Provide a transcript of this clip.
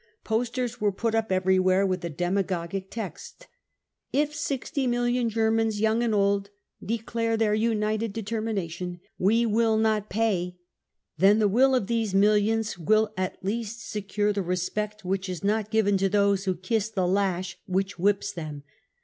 Posters were put up everywhere with the demagogic text : u If sixty million Germans, young and old, declare their united determination : 4 We will not pay, 5 then the will of these millions will at least secure the respect which is not given to those who kiss the lash which whips them.